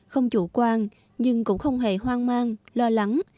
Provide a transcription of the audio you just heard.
không chủ quan nhưng cũng không hề hoang mang lo lắng